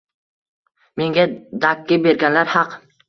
Menga dakki berganlar haq